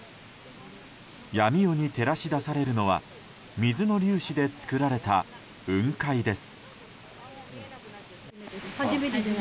闇夜に照らし出されるのは水の粒子で作られた雲海です。